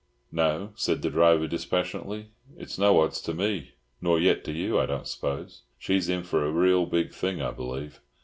"No," said the driver dispassionately. "It's no odds to me, nor yet to you, I don't suppose. She's in for a real big thing, I believe.